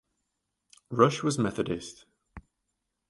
Rush was Methodist.